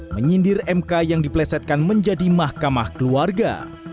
menyindir mk yang diplesetkan menjadi mahkamah keluarga